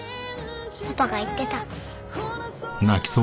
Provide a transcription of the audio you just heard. パパが言ってた。